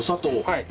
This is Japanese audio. はい。